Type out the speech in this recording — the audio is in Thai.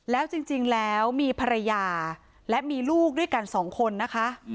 แล้วจริงแล้วมีภรรยาและมีลูกด้วยกันสองคนนะคะ